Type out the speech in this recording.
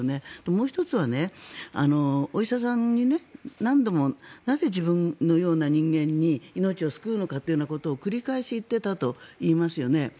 もう１つはお医者さんに何度もなぜ自分のような人間に命を救うのかということを繰り返し言っていたといいますよね。